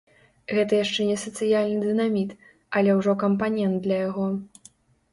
Гэта яшчэ не сацыяльны дынаміт, але ўжо кампанент для яго.